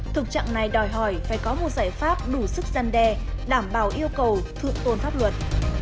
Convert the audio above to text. thực trạng này đòi hỏi phải có một giải pháp đủ sức gian đe đảm bảo yêu cầu thượng tôn pháp luật